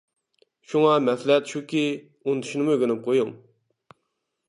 شۇڭا مەسلىھەت شۇكى، ئۇنتۇشنىمۇ ئۆگىنىپ قويۇڭ.